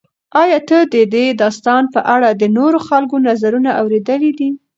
ایا ته د دې داستان په اړه د نورو خلکو نظرونه اورېدلي دي؟